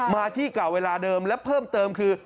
มาที่เก่าเวลาเดิมและเพิ่มเติมคือ